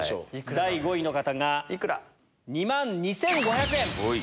第５位の方が２万２５００円。